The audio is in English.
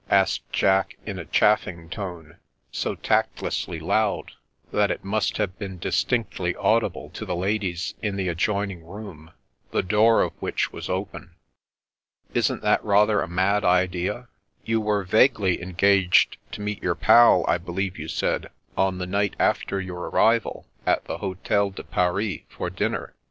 asked Jack, in a chaffing tone, so tactlessly loud that it must have been distinctly audible to the ladies in the adjoining room, the door of which was open. " Isn't that rather a mad idea ? You were vaguely engaged to meet your pal, I believe you said, on the night after your arrival, at the Hotel de Paris, for dinner.